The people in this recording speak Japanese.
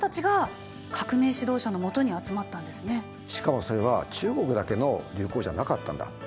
しかもそれは中国だけの流行じゃなかったんだ。